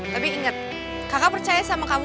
tapi ingat kakak percaya sama kamu